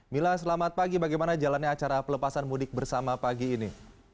mila selamat pagi bagaimana jalannya acara pelepasan mudik bersama pagi ini